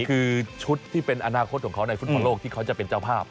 คือชุดที่เป็นอนาคตของเขาในฟุตบอลโลกที่เขาจะเป็นเจ้าภาพ